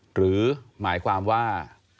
หรือหมายความว่า